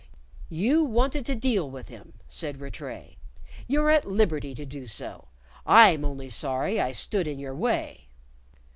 "You wanted to deal with him," said Rattray; "you're at liberty to do so. I'm only sorry I stood in your way."